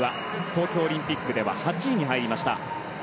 東京オリンピックでは８位に入りました。